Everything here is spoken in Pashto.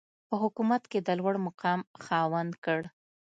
په حکومت کې د لوړمقام خاوند کړ.